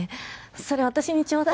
それ私にちょうだい